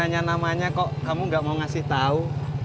gue nanya namanya kok kamu nggak mau ngasih tau